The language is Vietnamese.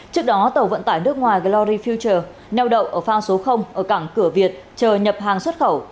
trước đó tàu vận tải nước ngoài glori futuer neo đậu ở phao số ở cảng cửa việt chờ nhập hàng xuất khẩu